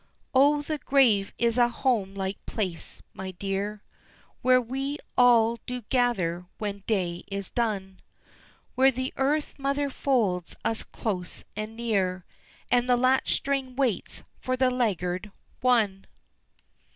O the grave is a home like place, my dear, Where we all do gather when day is done, Where the earth mother folds us close and near, And the latch string waits for the laggard one.